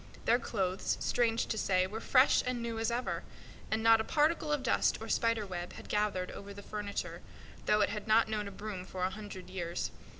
Their clothes, strange to say, were fresh and new as ever; and not a particle of dust or spider web had gathered over the furniture, though it had not known a broom for a hundred years.